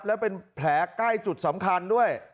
และเป็นแผลใกล้จุดสำคัญด้วย